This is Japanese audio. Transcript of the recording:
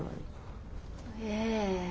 ええ。